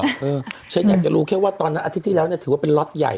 ฉันอยากจะรู้แค่ว่าตอนนั้นอาทิตย์ที่แล้วเนี่ยถือว่าเป็นล็อตใหญ่